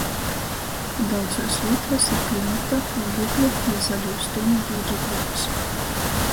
Daudzuos vītuos ir klimata, ūglekļa voi zaļūs dūmubīdru grupys.